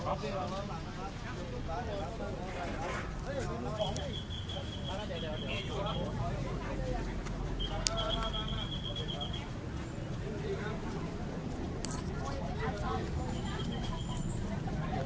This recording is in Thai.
อันนี้ก็แบบไม่ต้องใส่แล้วไม่ต้องใส่แล้วไปเลย